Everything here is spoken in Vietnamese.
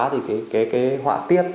thì cái họa tiết